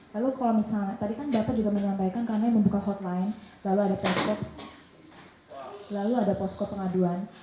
lalu kalau misalnya tadi kan dapat juga menyampaikan karena membuka hotline lalu ada poskop pengaduan